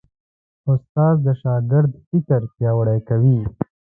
استاد د شاګرد فکر پیاوړی کوي.